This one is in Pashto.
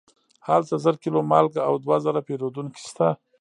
هلته زر کیلو مالګه او دوه زره پیرودونکي شته.